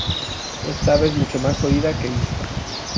Esta ave es mucho más oída que vista.